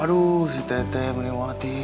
aduh si tete menikmati